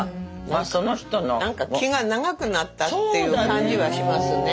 まあその人の。何か気が長くなったっていう感じはしますね。